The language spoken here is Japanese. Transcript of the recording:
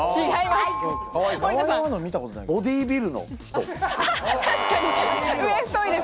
ボディービルの人。